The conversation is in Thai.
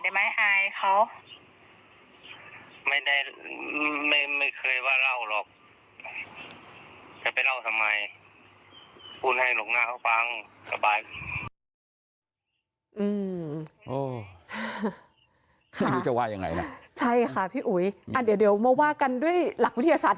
ไม่รู้จะว่ายังไงนะใช่ค่ะพี่อุ๋ยอ่ะเดี๋ยวเดี๋ยวมาว่ากันด้วยหลักวิทยาศาสต